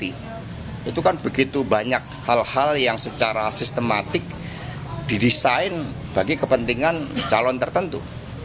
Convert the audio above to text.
itu kan begitu banyak hal hal yang secara sistematik didesain bagi kepentingan calon tertentu